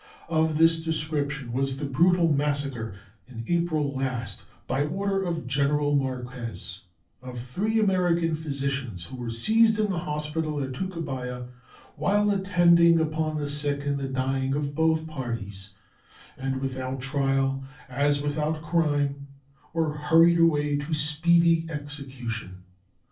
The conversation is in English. Of this description was the brutal massacre in April last, by order of General Marquez, of three American physicians who were seized in the hospital at Tacubaya while attending upon the sick and the dying of both parties, and without trial, as without crime, were hurried away to speedy execution.